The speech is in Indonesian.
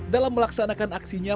dalam melaksanakan aksinya